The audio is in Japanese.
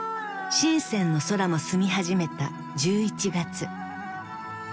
［深の空も澄み始めた１１月］